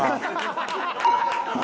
ハハハハ！